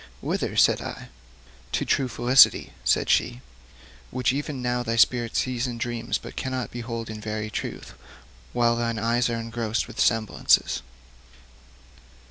'Whither?' said I. 'To true felicity,' said she, 'which even now thy spirit sees in dreams, but cannot behold in very truth, while thine eyes are engrossed with semblances.'